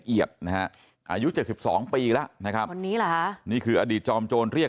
เอียดนะฮะอายุ๗๒ปีแล้วนะครับคนนี้เหรอฮะนี่คืออดีตจอมโจรเรียก